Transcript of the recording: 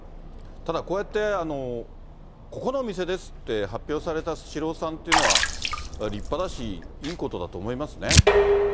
ただ、こうやって、ここのお店ですって発表されたスシローさんっていうのは立派だし、いいことだと思いますね。